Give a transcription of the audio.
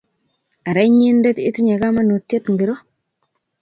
ara inyendet itinye kamanutiet ingiro?